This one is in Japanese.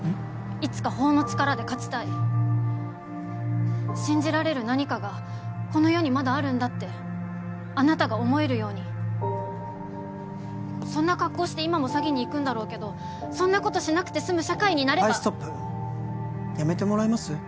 いつか法の力で勝ちたい信じられる何かがこの世にまだあるんだってあなたが思えるようにそんな格好して今も詐欺に行くんだろうけどそんなことしなくてすむ社会になればはいストップやめてもらえます？